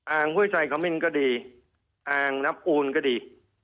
ห้วยชัยขมิ้นก็ดีอ่างน้ำอูนก็ดี